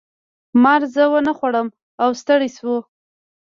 مار زه ونه خوړم او ستړی شو.